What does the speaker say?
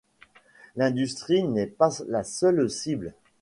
L’industrie n’est pas la seule cible.